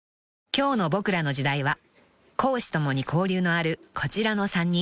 ［今日の『ボクらの時代』は公私共に交流のあるこちらの３人］